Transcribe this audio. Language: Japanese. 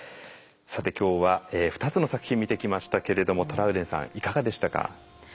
さて今日は２つの作品見てきましたけれどもトラウデンさんいかがでしたか？